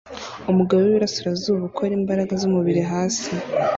Umugabo wiburasirazuba ukora imbaraga zumubiri hasi